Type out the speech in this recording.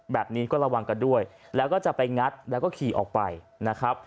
แบบนี้ก็ระวังกันด้วยแล้วก็จะไปงัดแล้วก็ขี่ออกไปนะครับ